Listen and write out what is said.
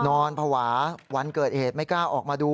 นอนภาวะวันเกิดเหตุไม่กล้าออกมาดู